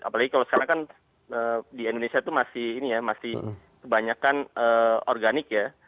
apalagi kalau sekarang kan di indonesia itu masih ini ya masih kebanyakan organik ya